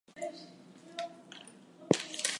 An ordinary boy with no superpowers whatsoever.